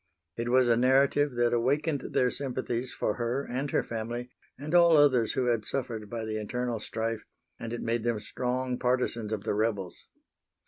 It was a narrative that awakened their sympathies for her and her family and all others who had suffered by the internal strife, and it made them strong partisans of the rebels.